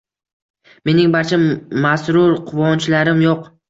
Mening barcha masrur quvonchlarim yo’q.